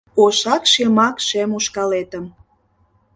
Ошак-шемак шем ушкалетым